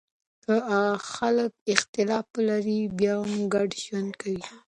که خلګ اختلاف ولري بیا هم ګډ ژوند کوي.